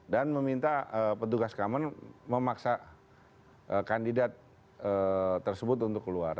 dan meminta petugas keamanan memaksa kandidat tersebut untuk keluar